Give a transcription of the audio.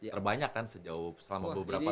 terbanyak kan sejauh selama beberapa